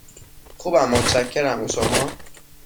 خوبم، متشکرم، و شما؟